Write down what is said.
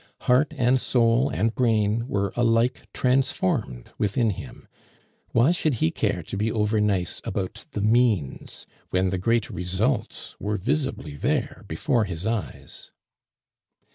Heart and soul and brain were alike transformed within him; why should he care to be over nice about the means, when the great results were visibly there before his eyes.